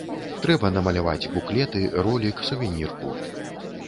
Трэба намаляваць буклеты, ролік, сувенірку.